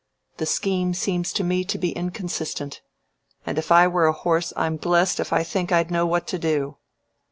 The scheme seems to me to be inconsistent, and if I were a horse I'm blessed if I think I'd know what to do.